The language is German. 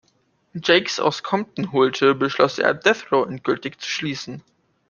Jakes aus Compton holte, beschloss er, Death Row endgültig zu schließen.